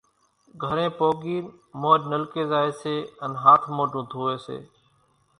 گھرين پوڳين مورِ نلڪي زائي سي ان ھاٿ موڍون ڌوئي سي۔